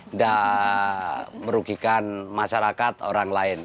tidak merugikan masyarakat orang lain